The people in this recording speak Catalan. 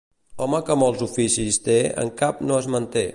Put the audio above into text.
Home que molts oficis té en cap no es manté.